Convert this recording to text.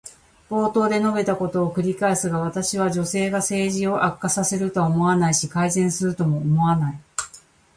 冒頭で述べたことを繰り返すが、私は女性が政治を悪化させるとは思わないし、改善するとも思わない。